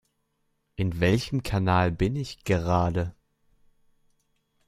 In welchem Kanal bin ich gerade?